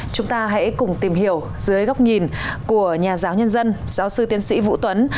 chúng ta hãy cùng tìm hiểu dưới góc nhìn của nhà giáo nhân dân giáo sư tiến sĩ vũ tuấn